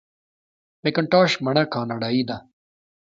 مکینټاش مڼه کاناډايي ده.